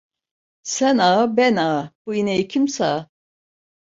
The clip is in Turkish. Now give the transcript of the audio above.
Sen ağa ben ağa, bu ineği kim sağa.